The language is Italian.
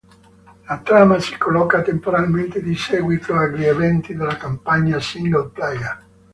La trama si colloca temporalmente di seguito agli eventi della campagna single-player.